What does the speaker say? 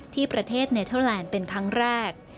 ที่ประเทศเนเทอร์แลนด์เป็นครั้งแรก